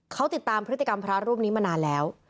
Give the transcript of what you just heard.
เขาติดตามพฤติกรรมพระรูปนี้มานานแล้ว